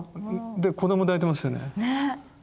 で子供抱いてますよね。ね？